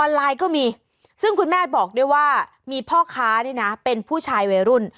ไลน์ก็มีซึ่งคุณแม่บอกด้วยว่ามีพ่อค้านี่นะเป็นผู้ชายวัยรุ่น